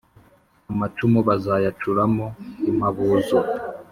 amacumu bazayacuramo impabuzo